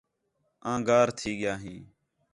آں گار تھی ڳیا ہیں